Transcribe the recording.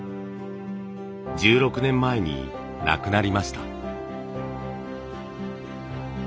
１６年前に亡くなりました。